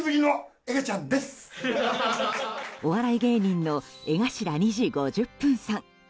お笑い芸人の江頭２：５０さん。